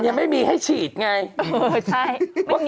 ยังไม่มีให้ฉีดไงเออใช่